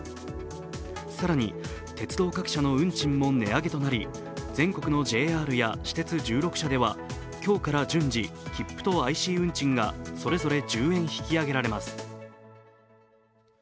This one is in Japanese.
更に、鉄道各社の運賃も値上げとなり全国のＪＲや私鉄１６社では今日から順次、切符とＩＣ運賃がそれぞれ１０円引き上げられます。